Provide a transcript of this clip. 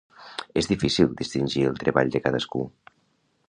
És difícil distingir el treball de cadascú.